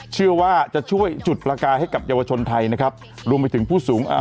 เชื่อว่าจะช่วยจุดประกายให้กับเยาวชนไทยนะครับรวมไปถึงผู้สูงอ่า